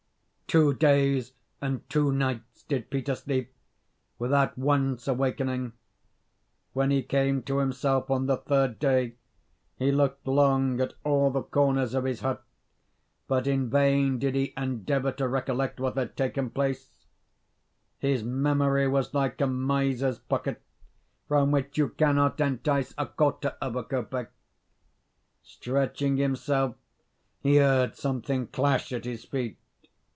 Two days and two nights did Peter sleep, without once awakening. When he came to himself, on the third day, he looked long at all the corners of his hut, but in vain did he endeavour to recollect what had taken place; his memory was like a miser's pocket, from which you cannot entice a quarter of a kopek. Stretching himself, he heard something clash at his feet.